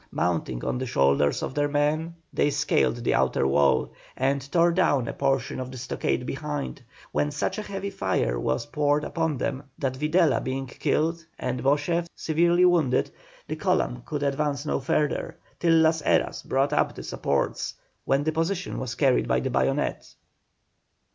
Mounting on the shoulders of their men they scaled the outer wall, and tore down a portion of the stockade behind, when such a heavy fire was poured upon them that Videla being killed and Beauchef severely wounded, the column could advance no farther, till Las Heras brought up the supports, when the position was carried by the bayonet.